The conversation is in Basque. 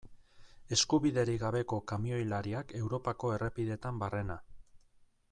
Eskubiderik gabeko kamioilariak Europako errepideetan barrena.